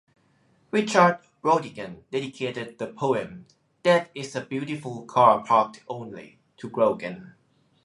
Richard Brautigan dedicated the poem "Death is a Beautiful Car Parked Only" to Grogan.